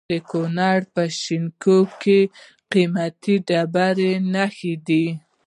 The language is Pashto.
د کونړ په شیګل کې د قیمتي ډبرو نښې دي.